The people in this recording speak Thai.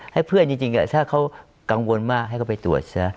ให้เพื่อนจริงถ้าเขากังวลมากให้เขาไปตรวจซะ